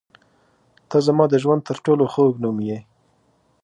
• ته زما د ژوند تر ټولو خوږ نوم یې.